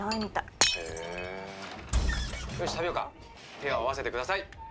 手を合わせてください。